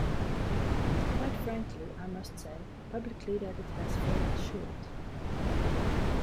Quite frankly, I must say publicly that it has fallen short.